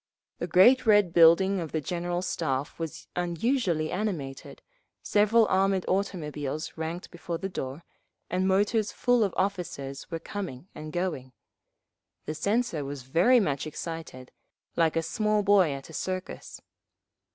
The great red building of the General Staff was unusually animated, several armoured automobiles ranked before the door, and motors full of officers were coming and going…. The censor was very much excited, like a small boy at a circus.